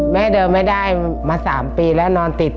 แม่เดินไม่ได้มา๓ปีแล้วนอนติด